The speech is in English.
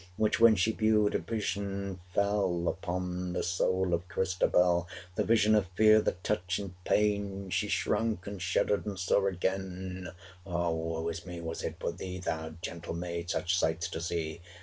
450 Which when she viewed, a vision fell Upon the soul of Christabel, The vision of fear, the touch and pain! She shrunk and shuddered, and saw again (Ah, woe is me! Was it for thee, 455 Thou gentle maid! such sights to see?)